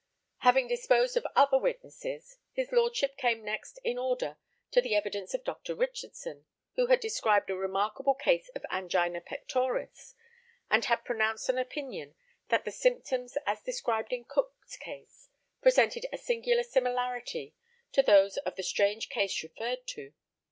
Having disposed of other witnesses, his lordship came next in order to the evidence of Dr. Richardson, who had described a remarkable case of angina pectoris, and had pronounced an opinion that the symptoms as described in Cook's case presented a singular similarity to those of the strange case referred to.